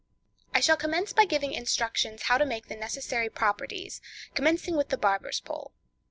I shall commence by giving instructions how to make the necessary properties, commencing with the Barber's Pole.